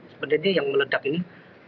sebenarnya yang meledak ini